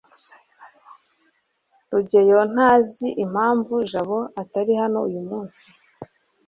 rugeyo ntazi impamvu jabo atari hano uyumunsi